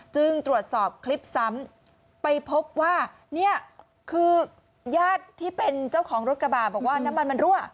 จึงตรวจสอบคลิปซ้ำไปพบว่าเนี่ยคือญาติที่เป็นเจ้าของรถกระบะบอกว่าน้ำมันมันรั่ว